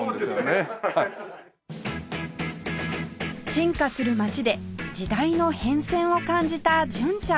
進化する街で時代の変遷を感じた純ちゃん